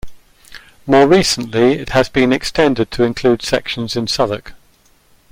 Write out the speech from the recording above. More recently it has been extended to include sections in Southwark.